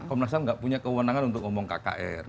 komnas ham nggak punya kewenangan untuk ngomong kkr